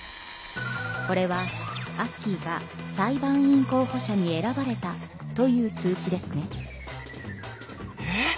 これはアッキーが裁判員候補者に選ばれたという通知ですね。え！？